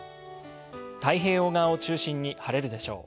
太平洋側を中心に晴れるでしょう。